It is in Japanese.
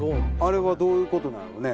あれはどういうことなんやろね？